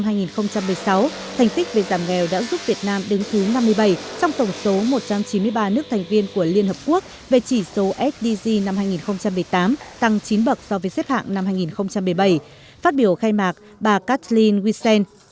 thành tích về giảm nghèo đã giúp việt nam đứng thứ năm mươi bảy trong tổng số một trăm chín mươi ba nước thành viên của liên hợp quốc về chỉ số sdg năm hai nghìn một mươi tám tăng chín bậc so với xếp hạng năm hai nghìn một mươi bảy phát biểu khai mạc bà kathleen wisen